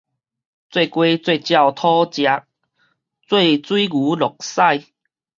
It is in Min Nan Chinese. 做雞做鳥討食，做水牛落屎